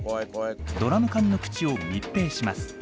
ドラム缶の口を密閉します。